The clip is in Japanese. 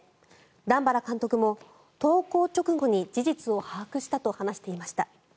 段原監督も投稿直後に事実を把握したと話していました。